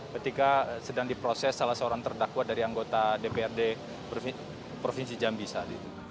ketika sedang diproses salah seorang terdakwa dari anggota dprd provinsi jambi saat itu